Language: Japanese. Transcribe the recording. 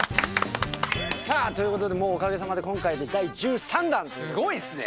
さあということで、おかげさまで今回で第１３弾ということで。